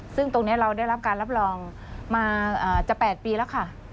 ซึ่งตรงนี้เราได้รับการรับรองมาจะ๘ปีแล้วค่ะ